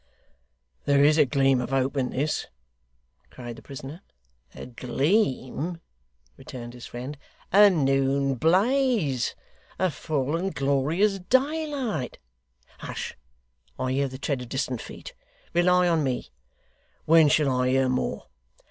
'There is a gleam of hope in this!' cried the prisoner. 'A gleam!' returned his friend, 'a noon blaze; a full and glorious daylight. Hush! I hear the tread of distant feet. Rely on me.' 'When shall I hear more?